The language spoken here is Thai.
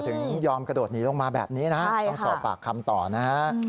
ถึงยอมกระโดดหนีลงมาแบบนี้นะต้องสอบปากคำต่อนะฮะ